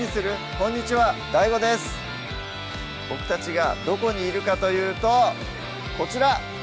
こんにちはＤＡＩＧＯです僕たちがどこにいるかというとこちら！